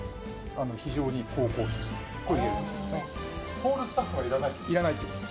ホールスタッフはいらないってこと？